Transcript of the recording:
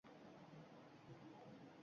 Sas keldi: «Yer ha’rin hoh markazida